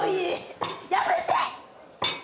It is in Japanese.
やめて！